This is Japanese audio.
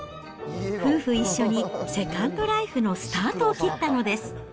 夫婦一緒にセカンドライフのスタートを切ったのです。